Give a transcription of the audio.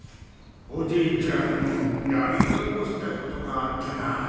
おじいちゃんやりのこしたことがあってな。